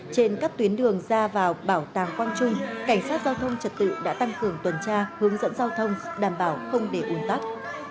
trên các tuyến đường ra vào bảo tàng quang trung cảnh sát giao thông trật tự đã tăng cường tuần tra hướng dẫn giao thông đảm bảo không để un tắc